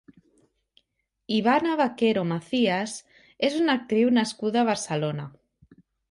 Ivana Baquero Macías és una actriu nascuda a Barcelona.